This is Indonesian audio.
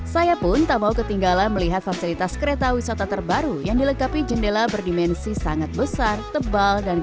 saya pun tak mau ketinggalan melihat fasilitas kereta wisata terbaru yang dilengkapi jendela berdimensi sangat besar tebal dan